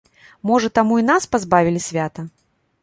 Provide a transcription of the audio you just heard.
Можа, таму і нас пазбавілі свята?